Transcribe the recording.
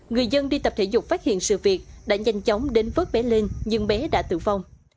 người dân đi tập thể dục phát hiện sự việc đã nhanh chóng đến vớt bé lên nhưng bé đã tử vong